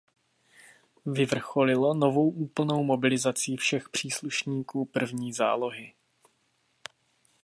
Vyvrcholilo novou úplnou mobilisací všech příslušníků I. zálohy.